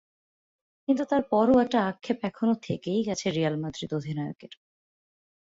কিন্তু তার পরও একটা আক্ষেপ এখনো থেকেই গেছে রিয়াল মাদ্রিদ অধিনায়কের।